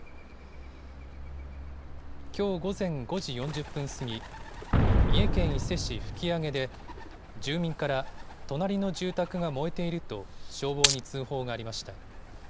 きょう午前５時４０分過ぎ、三重県伊勢市吹上で住民から隣の住宅が燃えていると消防に通報がありました。